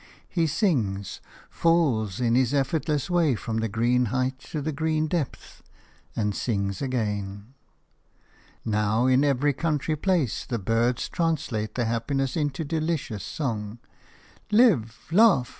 He sings, falls in his effortless way from the green height to the green depth, and sings again. Now in every country place the birds translate their happiness into delicious song. "Live! Laugh!"